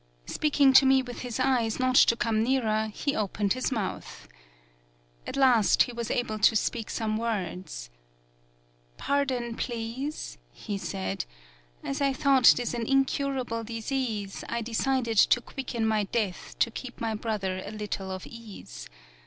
Speaking to me with his eyes, not to come nearer, he opened his mouth. At last he was able to speak some words. 'Pardon, please,' he said, 'as I thought this an incurable disease I decided to quicken my death to give my brother a little of ease.